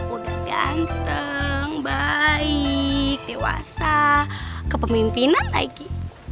udah ganteng baik dewasa kepemimpinan lagi